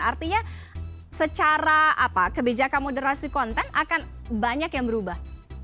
artinya secara kebijakan moderasi konten akan banyak yang berubah